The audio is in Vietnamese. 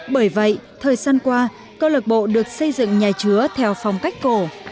bởi vậy thời gian qua câu lạc bộ được xây dựng nhà chứa theo phong cách cổ